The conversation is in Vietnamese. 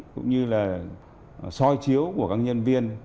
cũng như là soi chiếu của các nhân viên